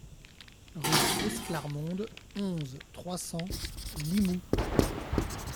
Rue Esclarmonde, onze, trois cents Limoux